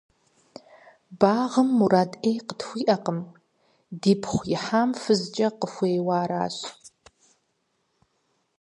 Багъым мурад Ӏей къытхуиӀэкъым, дипхъу ихьам фызкӀэ къыхуейуэ аращ.